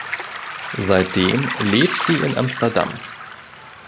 Seitdem lebt sie in Amsterdam.